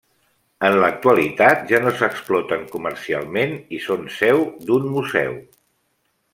En l'actualitat ja no s'exploten comercialment i són seu d'un museu.